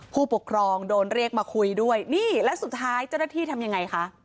ผู้ปกครองโดนเรียกมาคุยด้วยนี่แล้วสุดท้ายเจ้าหน้าที่ทำยังไงคะ